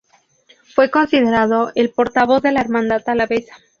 Fue considerado el portavoz de la Hermandad Alavesa.